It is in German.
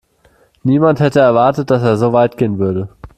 Niemand hätte erwartet, dass er so weit gehen würde.